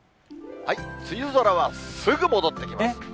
梅雨空はすぐ戻ってきます。